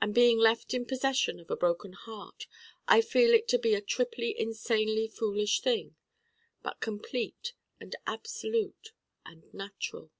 And being left in possession of a Broken Heart I feel it to be a triply insanely foolish thing: but complete and absolute and natural.